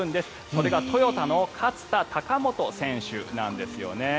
それがトヨタの勝田貴元選手なんですよね。